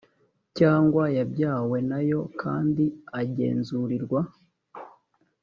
cyangwa yabyawe nayo kandi agenzurirwa